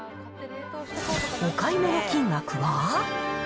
お買い物金額は。